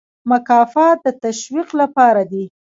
مکافات د تشویق لپاره دي